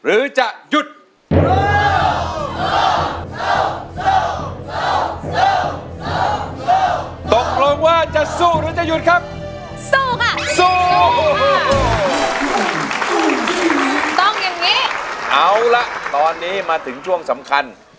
เอาละตอนนี้มาถึงช่วงสำคัญ